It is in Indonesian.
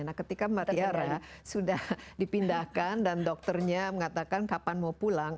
nah ketika mbak tiara sudah dipindahkan dan dokternya mengatakan kapan mau pulang